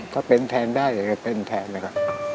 ถ้าเป็นแทนได้ก็จะเป็นแทนเลยค่ะ